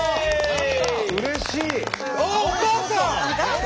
うれしい！